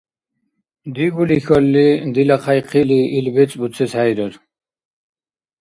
Дигули хьалли, дила хъяйхъили ил бецӀ буцес хӀейрар.